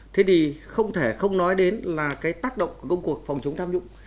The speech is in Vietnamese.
thế thì không thể không nói đến là cái tác động công cuộc phòng chống tham dũng